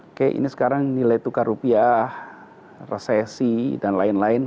oke ini sekarang nilai tukar rupiah resesi dan lain lain